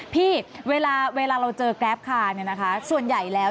พี่เวลาเจอแกลปคาส่วนใหญ่แล้ว